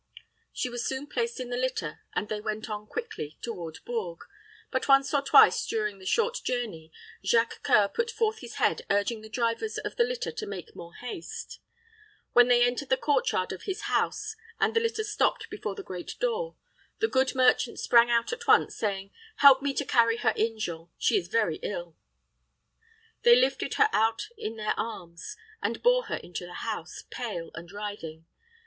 She was soon placed in the litter, and they went on quickly toward Bourges; but once or twice, during the short journey, Jacques C[oe]ur put forth his head, urging the drivers of the litter to make more haste. When they entered the court yard of his house, and the litter stopped before the great door, the good merchant sprang out at once, saying, "Help me to carry her in, Jean. She is very ill." They lifted her out in their arms, and bore her into the house, pale and writhing.